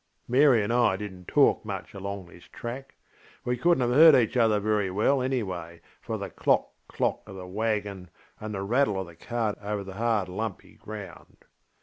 Mary and I didnŌĆÖt talk much along this trackŌĆöwe couldnŌĆÖt have heard each other very well, anyway, for the ŌĆśclock clockŌĆÖ of the waggon and the rattle of the cart over the hard lumpy ground.